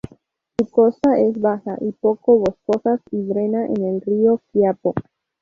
Su costa es baja y poco boscosas, y drena en el río Quiapo.